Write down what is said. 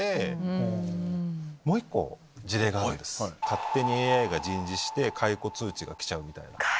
勝手にＡＩが人事して解雇通知が来ちゃうみたいな。